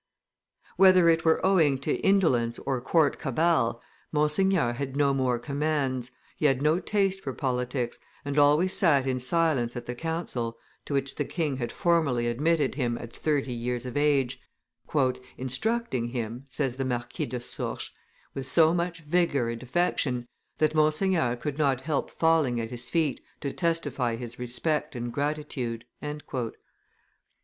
Whether it were owing to indolence or court cabal, Monseigneur had no more commands; he had no taste for politics, and always sat in silence at the council, to which the king had formally admitted him at thirty years of age, "instructing him," says the Marquis of Sourches, "with so much vigor and affection, that Monseigneur could not help falling at his feet to testify his respect and gratitude."